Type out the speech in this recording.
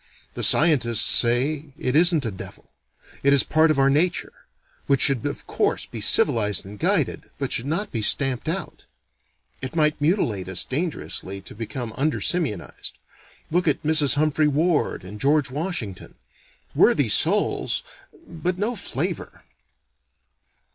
The scientists say it isn't a devil, it is part of our nature, which should of course be civilized and guided, but should not be stamped out. (It might mutilate us dangerously to become under simianized. Look at Mrs. Humphry Ward and George Washington. Worthy souls, but no flavor.)